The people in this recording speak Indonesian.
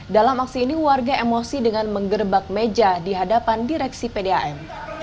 dalam aksi ini warga emosi dengan menggerbak meja di hadapan direksi pdam